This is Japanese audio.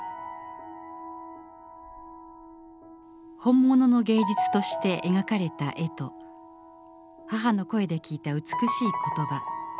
本物の芸術として描かれた絵と母の声で聞いた美しい言葉。